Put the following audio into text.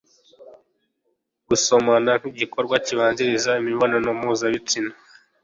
Gusomana, nk'igikorwa kibanziriza imibonanomuzabitsina,